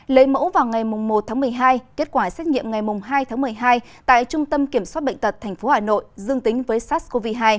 lấy mẫu vào ngày một tháng một mươi hai kết quả xét nghiệm ngày hai tháng một mươi hai tại trung tâm kiểm soát bệnh tật tp hà nội dương tính với sars cov hai